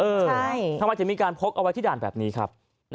ทำไมถึงมีการพกเอาไว้ที่ด่านแบบนี้ครับ